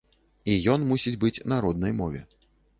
І ён мусіць быць на роднай мове.